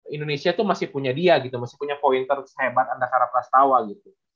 indonesia tuh masih punya dia gitu masih punya pointer sehebat anda karena pras tawa gitu